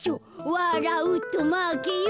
わらうとまけよ。